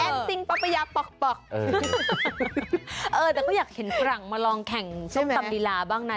เออแต่ก็อยากเห็นฝรั่งมาลองแข่งส้มตำลีลาบ้างนะ